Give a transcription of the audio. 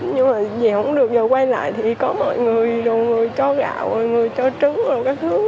nhưng mà về không được giờ quay lại thì có mọi người mọi người cho gạo mọi người cho trứng mọi người cho các thứ